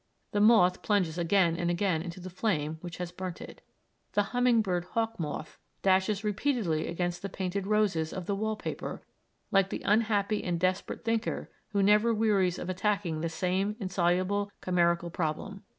The moth plunges again and again into the flame which has burnt it. The humming bird hawk moth dashes repeatedly against the painted roses of the wall paper, like the unhappy and desperate thinker who never wearies of attacking the same insoluble chimerical problem.